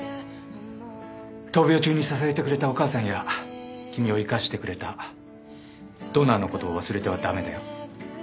闘病中に支えてくれたお母さんや君を生かしてくれたドナーのことを忘れては駄目だよ。